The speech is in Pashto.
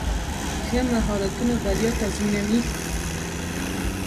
ښه مهارتونه بریا تضمینوي.